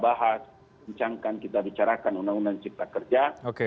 kita bahas bincangkan kita bicarakan undang undang cipta kerja